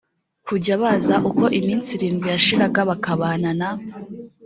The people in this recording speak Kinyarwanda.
kujya baza uko iminsi irindwi yashiraga bakabana na